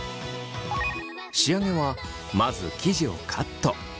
仕上げはまず生地をカット。